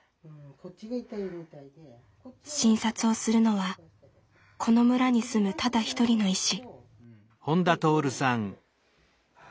診察をするのはこの村に住むただ一人の医師。